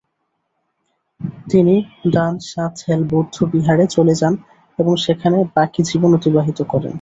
তিনি গ্দান-সা-থেল বৌদ্ধবিহারে চলে যান এবং সেখানে বাকি জীবন অতিবাহিত করেন।